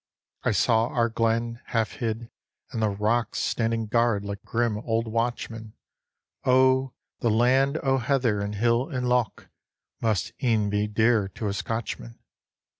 I saw our glen, half hid, and the rocks Standing guard like grim old watchmen. Oh, the land o' heather and hill and loch Must e'en be dear to a Scotchman.